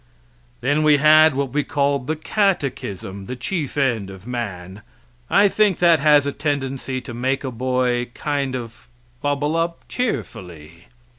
Then we had what we called the catechism the chief end of man. I think that has a tendency to make a boy kind of bubble up cheerfully.